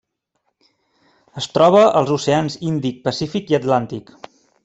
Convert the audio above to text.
Es troba als oceans Índic, Pacífic i Atlàntic.